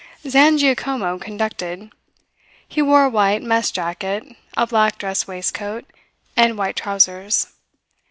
Zangiacomo conducted. He wore a white mess jacket, a black dress waistcoat, and white trousers.